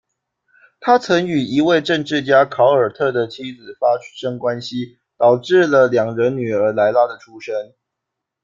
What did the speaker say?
他曾与一位政治家考尔特的妻子发生关系，导致了两人女儿莱拉的出生。